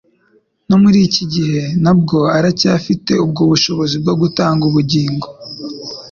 No muri iki gihe nabwo aracyafite ubwo bushobozi bwo gutanga ubugingo